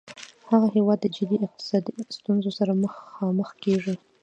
هغه هیواد د جدي اقتصادي ستونځو سره مخامخ کیږي